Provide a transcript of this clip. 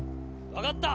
「わかった！」